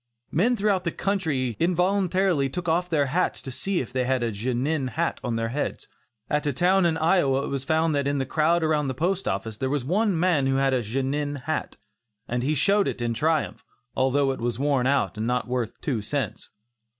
Men throughout the country involuntarily took off their hats to see if they had a "Genin" hat on their heads. At a town in Iowa it was found that in the crowd around the Post Office, there was one man who had a "Genin" hat, and he showed it in triumph, although it was worn out and not worth two cents.